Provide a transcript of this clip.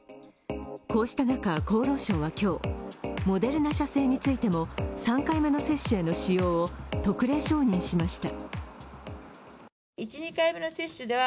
こうした中、厚労省は今日、モデルナ社製についても３回目の接種への使用を特例承認しました。